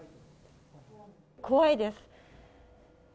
怖いです。